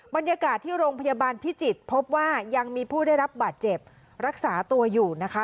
บรรยากาศที่โรงพยาบาลพิจิตรพบว่ายังมีผู้ได้รับบาดเจ็บรักษาตัวอยู่นะคะ